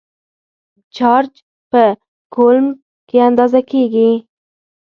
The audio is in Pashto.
چارج په کولمب کې اندازه کېږي.